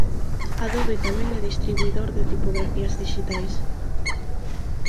Adobe tamén é distribuidor de tipografías dixitais.